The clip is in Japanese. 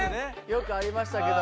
よくありましたけども。